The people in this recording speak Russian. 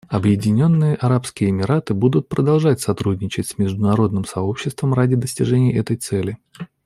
Объединенные Арабские Эмираты будут продолжать сотрудничать с международным сообществом ради достижения этой цели.